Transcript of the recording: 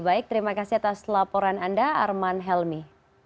baik terima kasih atas laporan anda arman helmi